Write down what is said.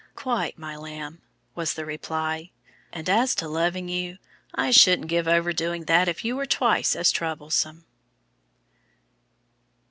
"Quite, my lamb," was the reply; "and as to loving you, I shouldn't give over doing that if you were twice as troublesome."